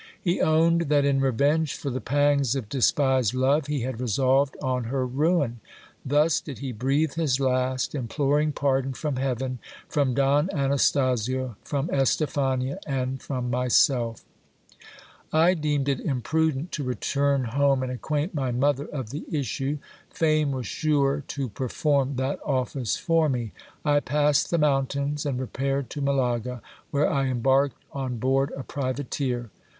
He owned that in revenge for the pangs of despised love he had resolved on her ruin. Thus did he breathe his last, imploring pardon from heaven, from Don Anastasio, from Estephania, and from myself I deemed it imprudent to return home and acquaint my mother of the issue ; fame was sure to perform that office for me. I passed the 294 GIL BLAS. mountains, and repaired to Malaga, where I embarked on board a privateer.